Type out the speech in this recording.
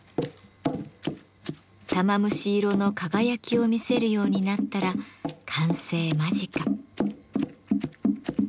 玉虫色の輝きを見せるようになったら完成間近。